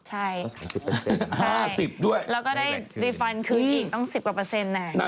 ๕๐ด้วยไม่แหละคือแล้วก็ได้รีฟันคืออีกต้อง๑๐แน่